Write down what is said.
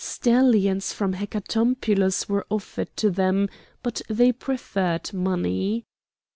Stallions from Hecatompylos were offered to them, but they preferred money.